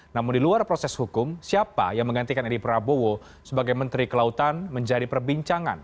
namun di luar proses hukum siapa yang menggantikan edi prabowo sebagai menteri kelautan menjadi perbincangan